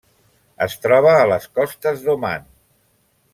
Es troba a les costes d'Oman.